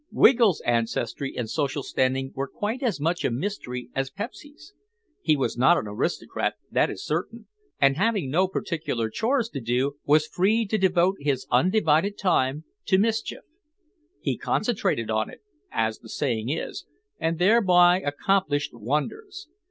Wiggle's ancestry and social standing were quite as much a mystery as Pepsy's; he was not an aristocrat, that is certain, and having no particular chores to do was free to devote his undivided time to mischief; he concentrated on it, as the saying is, and thereby accomplished wonders.